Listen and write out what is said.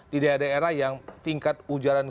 di daerah daerah yang tingkat ujaran